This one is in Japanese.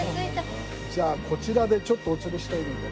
じゃあこちらでちょっとお連れしたいので。